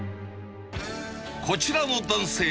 こちらの男性。